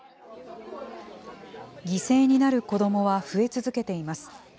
犠牲になる子どもは増え続けています。